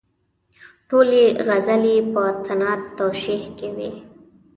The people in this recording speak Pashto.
ټولې غزلې یې په صنعت توشیح کې وې.